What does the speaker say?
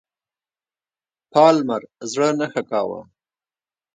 پالمر زړه نه ښه کاوه.